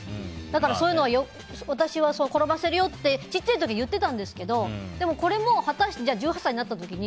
そういうのは私は転ばせるよって小さい時、言っていたんだけどでも、これも果たして１８歳になった時に